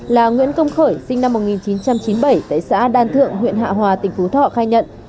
là nguyễn công khởi sinh năm một nghìn chín trăm chín mươi bảy tại xã đan thượng huyện hạ hòa tỉnh phú thọ khai nhận